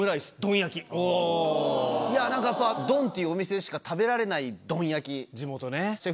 なんかやっぱＤＯＮっていうお店しか食べられないどん焼き。